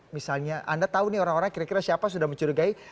misalnya anda tahu nih orang orang kira kira siapa sudah mencurigai